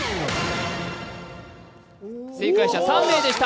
正解者３名でした。